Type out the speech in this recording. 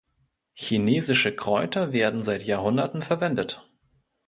Chinesische Kräuter werden seit Jahrhunderten verwendet.